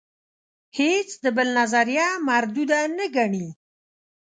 هیڅ د بل نظریه مرودوده نه ګڼي.